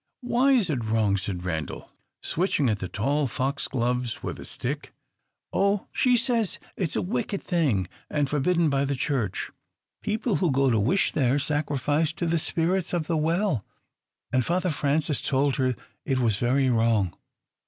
"Why is it wrong?" said Randal, switching at the tall foxgloves with a stick. "Oh, she says it is a wicked thing, and forbidden by the Church. People who go to wish there, sacrifice to the spirits of the well; and Father Francis told her that it was very wrong."